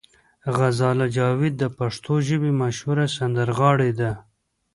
غزاله جاوید د پښتو ژبې مشهوره سندرغاړې ده.